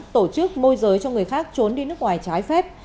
tổ chức môi giới cho người khác trốn đi nước ngoài trái phép